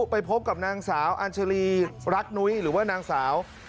ไปพบกับนางสาวอัญชาลีรักนุ้ยหรือว่านางสาว